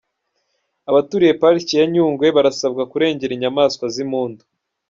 Abaturiye Parike ya Nyungwe barasabwa kurengera inyamaswa z’Impundu